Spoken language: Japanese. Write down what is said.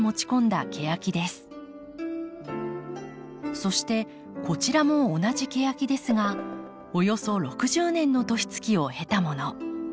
そしてこちらも同じケヤキですがおよそ６０年の年月を経たもの。